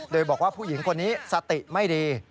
โดยบอกว่าผู้หญิงคนนี้สติไม่ดี